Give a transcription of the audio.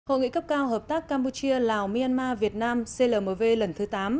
hội nghị cấp cao hợp tác campuchia lào myanmar việt nam clmv lần thứ tám